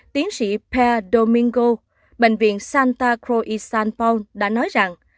tiến sĩ per domingo bệnh viện santa cruz san paolo đã nói rằng